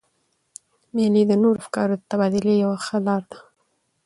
مېلې د نوو افکارو د تبادلې یوه ښه لاره ده.